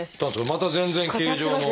また全然形状の。